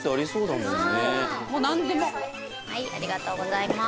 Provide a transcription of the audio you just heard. もう何でもはいありがとうございます